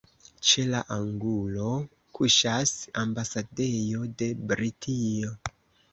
Ĉe la angulo kuŝas ambasadejo de Britio.